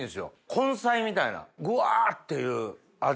根菜みたいなぐわっていう味する。